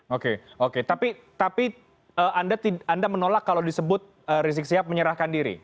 oke oke tapi anda menolak kalau disebut rizik sihab menyerahkan diri